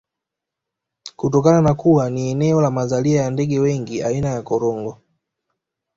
Kutokana na kuwa ni eneo la mazalia ya ndege wengi aina ya Korongo